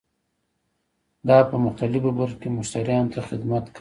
دا په مختلفو برخو کې مشتریانو ته خدمت کوي.